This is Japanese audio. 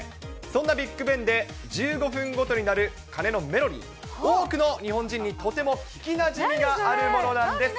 そんなビッグベンで１５分ごとに鳴る鐘のメロディー、多くの日本人にとても聞きなじみがあるものなんです。